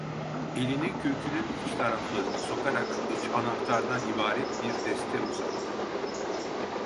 Elini kürkünün iç taraflarına sokarak üç anahtardan ibaret bir deste uzattı.